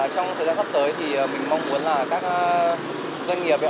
trong thời gian sắp tới thì mình mong muốn là các doanh nghiệp